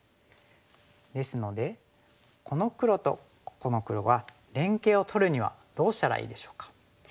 ですのでこの黒とこの黒は連携をとるにはどうしたらいいでしょうか。